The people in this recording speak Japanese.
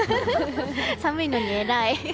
寒いのにえらい。